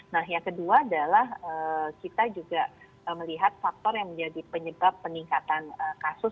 nah yang kedua adalah kita juga melihat faktor yang menjadi penyebab peningkatan kasus